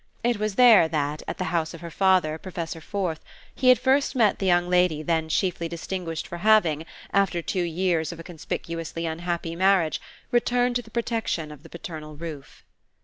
It was there that, at the house of her father, Professor Forth, he had first met the young lady then chiefly distinguished for having, after two years of a conspicuously unhappy marriage, returned to the protection of the paternal roof.